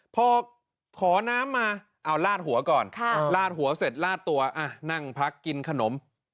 พอขอน้ำมาเอาลาดหัวก่อนลาดหัวเสร็จลาดตัวนั่งพักกินขนม